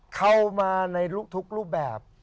เข้ามาในทุกรูปแบบ